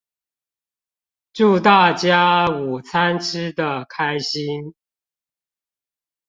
祝大家午餐吃的開心